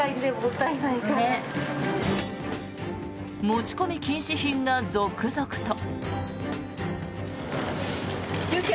持ち込み禁止品が続々と。